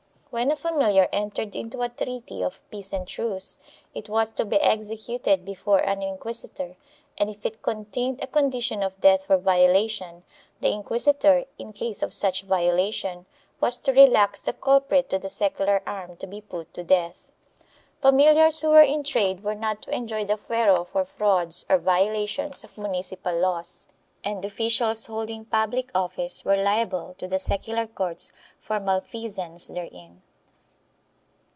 When a familiar entered into a treaty of peace and truce, it was to be executed before an inquisitor and, if it contained a condition of death for violation, the inquisitor, in case of such violation, was to relax the culprit to the secular arm to be put to death. Familiars who were in trade were not to enjoy the fuero for frauds or violations of municipal laws and officials holding public office were liable to the secular courts for malfeasance therein.